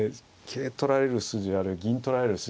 銀取られる筋がある。